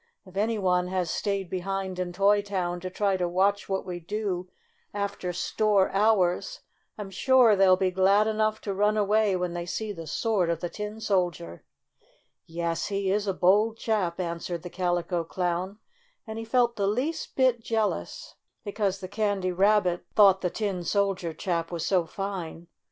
If any one has stayed behind in Toy Town to try to watch what we do of ter store hours, I'm sure they'll be glad enough to run away when they see the sword of the Tin Sol dier." "Yes, he is a bold chap," answered the Calico Clown, and he felt the least bit jeal ous because the Candy Rabbit thought the 4 STORY OP A SAWDUST DOLL Tin Soldier chap was so fine.